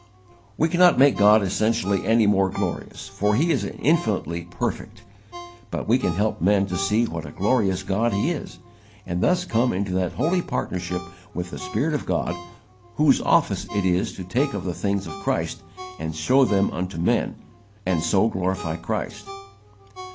We cannot make God essentially any more glorious, for He is infinitely perfect; but we can help men to see what a glorious God He is, and thus come into that holy partnership with the Spirit of God whose office it is to take of the things of Christ and show them unto men, and so glorify Christ.